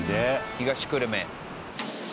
東久留米。